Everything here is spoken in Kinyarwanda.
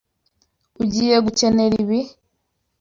Ugiye gukenera ibi.